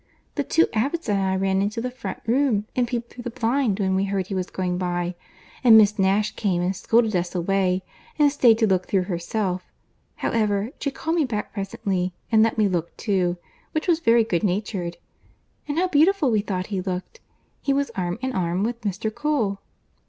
—The two Abbots and I ran into the front room and peeped through the blind when we heard he was going by, and Miss Nash came and scolded us away, and staid to look through herself; however, she called me back presently, and let me look too, which was very good natured. And how beautiful we thought he looked! He was arm in arm with Mr. Cole."